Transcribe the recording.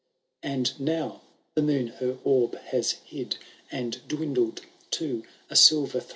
And now the moon her orb has hid. And dwindled to a silver thread.